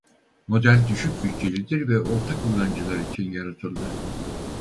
Model düşük bütçelidir ve orta kullanıcılar için yaratıldı.